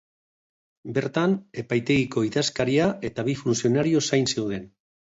Bertan, epaitegiko idazkaria eta bi funtzionario zain zeuden.